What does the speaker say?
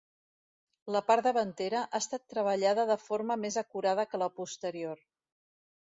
La part davantera ha estat treballada de forma més acurada que la posterior.